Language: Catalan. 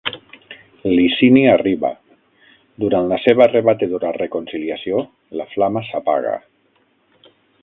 Licini arriba; durant la seva rebatedora reconciliació, la flama s'apaga.